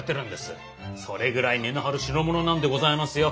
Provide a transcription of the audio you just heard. それぐらい値の張る代物なんでございますよ。